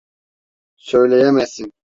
Söyleyemezsin.